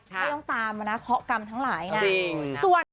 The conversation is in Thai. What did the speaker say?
ไม่ต้องตามมานะเคาะกรรมทั้งหลายนะ